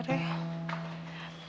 oke kak jangan ditunggu loh kak